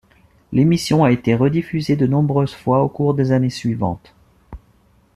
L'émission a été rediffusée de nombreuses fois au cours des années suivantes.